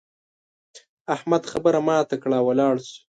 احمد خبره ماته کړه او ولاړ شو.